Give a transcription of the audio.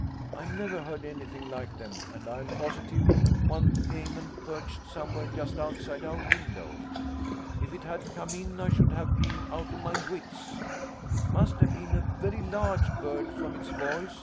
I never heard anything like them, and I'm positive one came and perched somewhere just outside our window. If it had come in I should have been out of my wits: it must have been a very large bird, from its voice.